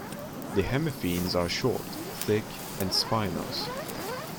The hemipenes are short, thick, and spinose.